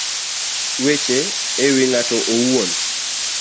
Weche e wi ng'ato owuon